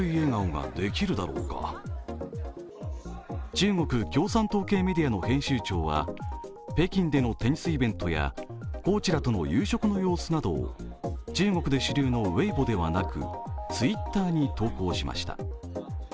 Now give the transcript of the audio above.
中国共産党系メディアの編集長は北京でのテニスイベントやコーチらとの夕食の様子などを中国で主流のウェイボではなく、Ｔｗｉｔｔｅｒに投稿しました。